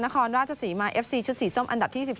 นครราชศรีมาเอฟซีชุดสีส้มอันดับที่๑๒